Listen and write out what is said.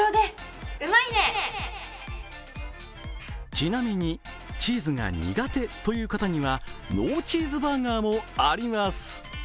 ちなみにチーズが苦手という方にはＮＯチーズバーガーもあります。